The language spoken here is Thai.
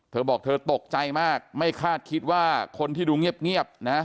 เธอบอกเธอตกใจมากไม่คาดคิดว่าคนที่ดูเงียบนะ